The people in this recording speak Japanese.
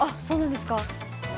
そうなんですか。